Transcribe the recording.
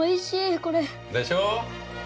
これ。でしょう？